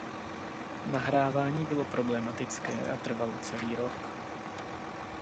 Nahrávání bylo problematické a trvalo celý rok.